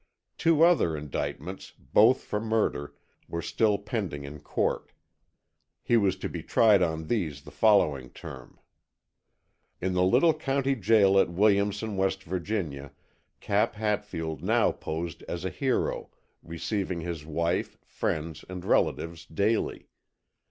Two other indictments, both for murder, were still pending in court. He was to be tried on these the following term. In the little county jail at Williamson, West Virginia, Cap Hatfield now posed as a hero, receiving his wife, friends and relatives daily.